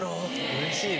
うれしいね。